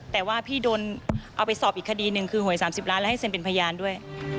แต่ว่าพี่โดนเอาไปสอบอีกคดีหนึ่งคือหวย๓๐ล้านแล้วให้เซ็นเป็นพยานด้วย